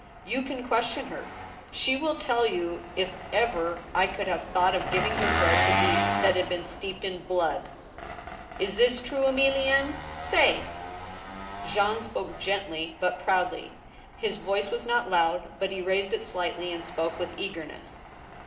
You can question her. She will tell you if I ever could have thought of giving her bread to eat that had been steeped in blood! ... Is this true, Emilienne? Say!" Jean spoke gently but proudly. His voice was not loud, but he raised it slightly, and spoke with eagerness.